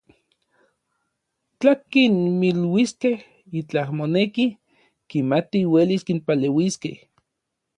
Tla kinmiluiskej itlaj moneki, kimatij uelis kinpaleuiskej.